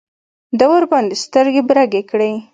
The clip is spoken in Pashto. ده ورباندې سترګې برګې کړې.